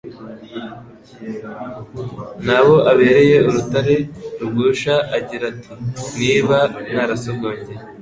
n'abo abereye urutare rugusha agira ati : «Niba mwarasogongeye